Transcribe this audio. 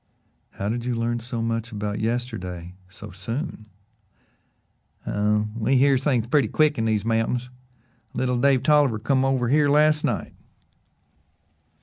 "How did you learn so much about yesterday so soon?" "Oh, we hears things purty quick in these mountains. Little Dave Tolliver come over here last night."